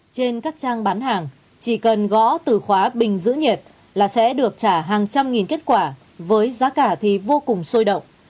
trên các trang bán hàng chỉ cần gõ từ khóa bình giữ nhiệt là sẽ được trả hàng trăm nghìn kết quả với giá cả thì vô cùng sôi động